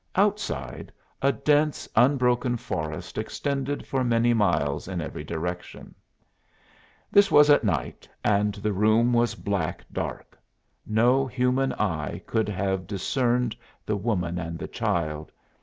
Outside, a dense unbroken forest extended for many miles in every direction. This was at night and the room was black dark: no human eye could have discerned the woman and the child.